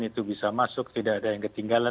itu bisa masuk tidak ada yang ketinggalan